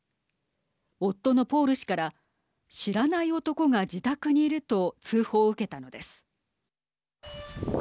夫のポール氏から知らない男が自宅にいると通報を受けたのです。